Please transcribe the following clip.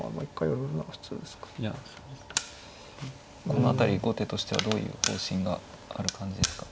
この辺り後手としてはどういう方針がある感じですか。